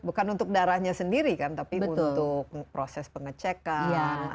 bukan untuk darahnya sendiri kan tapi untuk proses pengecekan